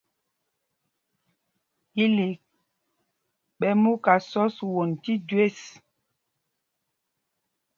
Bílîk ɓɛ mú ká sɔ̄s won tí jüés.